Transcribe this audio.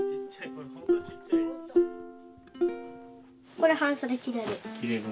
これ半袖着れる。